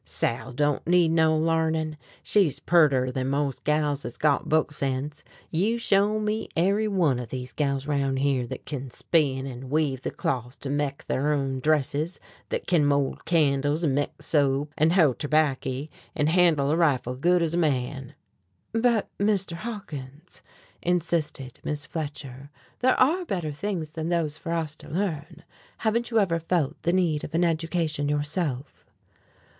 "Sal don't need no larnin'. She's pearter then most gals thet's got book sense. You show me ary one of these gals round here thet kin spin an' weave the cloth to mek ther own dresses, thet kin mold candles, an' mek soap, an' hoe terbaccy, an' handle a rifle good ez a man." "But, Mr. Hawkins," insisted Miss Fletcher, "there are better things than those for us to learn. Haven't you ever felt the need of an education yourself?"